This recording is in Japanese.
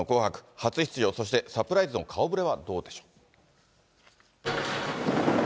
初出場、そしてサプライズの顔ぶれはどうでしょうか。